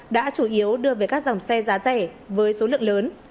đã chủ yếu đưa về các dòng xe giá rẻ với số lượng lớn